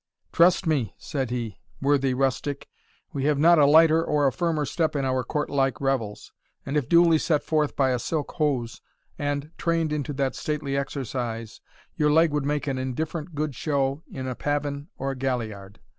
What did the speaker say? "Trust me," said he, "worthy rustic, we have not a lighter or a firmer step in our courtlike revels, and if duly set forth by a silk hose, and trained unto that stately exercise, your leg would make an indifferent good show in a pavin or a galliard.